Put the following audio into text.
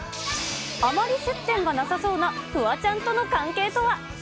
あまり接点がなさそうなフワちゃんとの関係とは。